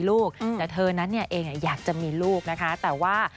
แล้วแต่ฟ้าจะอยากให้เรามีหรือเปล่า